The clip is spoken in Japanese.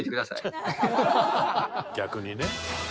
「逆にね」